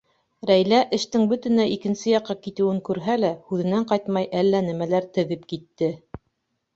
Рәйлә эштең бөтөнләй икенсе яҡҡа китеүен күрһә лә, һүҙенән ҡайтмай, әллә нәмәләр теҙеп китте.